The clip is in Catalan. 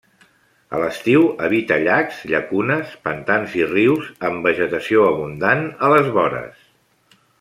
A l'estiu, habita llacs, llacunes, pantans i rius, amb vegetació abundant a les vores.